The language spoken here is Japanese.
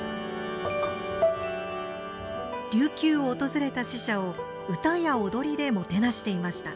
琉球を訪れた使者を唄や踊りでもてなしていました。